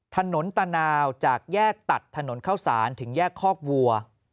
ถนนตานาวจากแยกตัดถนนเข้าสารถึงแยกคอกวัว